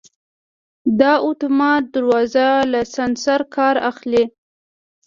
دا اتومات دروازه له سنسر کار اخلي.